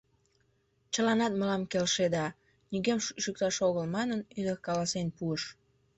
— Чыланат мылам келшеда! — нигӧм шӱкташ огыл манын, ӱдыр каласен пуыш.